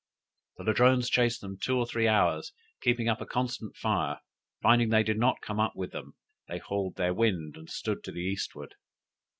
The Ladrones chased them two or three hours, keeping up a constant fire; finding they did not come up with them, they hauled their wind, and stood to the eastward.